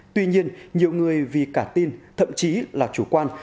tuy nhiên nhiều người vì cả tin thậm chí là chủ quan